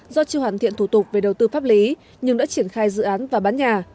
do chưa hoàn thiện thủ tục về đầu tư pháp lý nhưng đã triển khai dự án và bán nhà